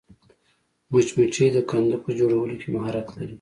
مچمچۍ د کندو په جوړولو کې مهارت لري